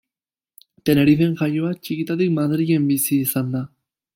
Tenerifen jaioa, txikitatik Madrilen bizi izan da.